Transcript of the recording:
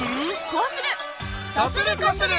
こうする！